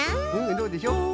どうでしょう？